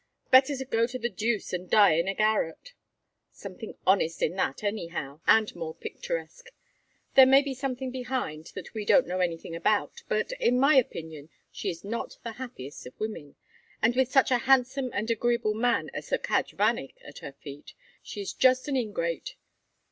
Better go to the deuce and die in a garret. Something honest in that, anyhow and more picturesque. There may be something behind, that we don't know anything about, but in my opinion she is not the happiest of women; and with such a handsome and agreeable man as Sir Cadge Vanneck at her feet, she is just an ingrate.